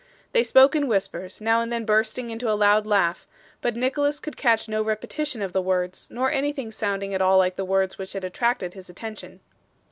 They spoke in whispers, now and then bursting into a loud laugh, but Nicholas could catch no repetition of the words, nor anything sounding at all like the words, which had attracted his attention.